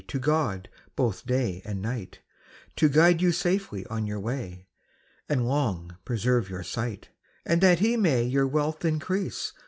To God both day and night I To guide you safely on your way, ! And long preserve your sight. I And that he may your wealth increase